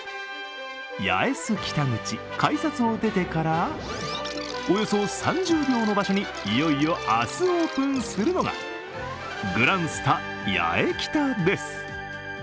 八重洲北口、改札を出てからおよそ３０秒の場所にいよいよ明日、オープンするのが、グランスタ八重北です。